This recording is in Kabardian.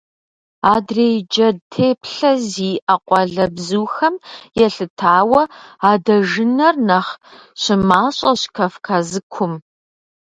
Адрей джэд теплъэ зиӀэ къуалэбзухэм елъытауэ адэжынэр нэхъ щымащӀэщ Кавказыкум.